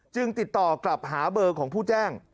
ติดต่อกลับหาเบอร์ของผู้แจ้ง